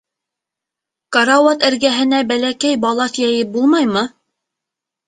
Карауат эргәһенә бәләкәй балаҫ йәйеп булмаймы?